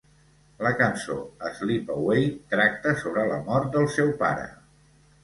La cançó "Slip Away" tracta sobre la mort del seu pare.